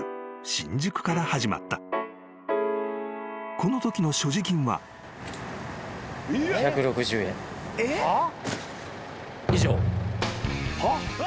［このときの所持金は］はっ！？